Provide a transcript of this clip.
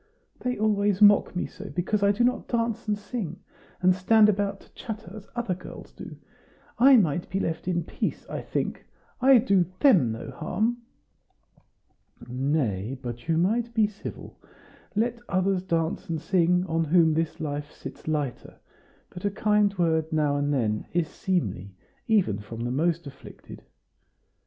"They always mock me so, because I do not dance and sing, and stand about to chatter, as other girls do. I might be left in peace, I think; I do THEM no harm." "Nay, but you might be civil. Let others dance and sing, on whom this life sits lighter; but a kind word now and then is seemly even from the most afflicted."